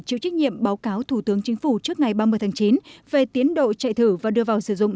chịu trách nhiệm báo cáo thủ tướng chính phủ trước ngày ba mươi tháng chín về tiến độ chạy thử và đưa vào sử dụng